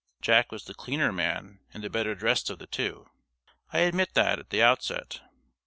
Jack was the cleaner man and the better dressed of the two. I admit that, at the outset.